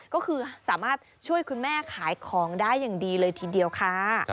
ก็คือสามารถช่วยคุณแม่ขายของได้อย่างดีเลยทีเดียวค่ะ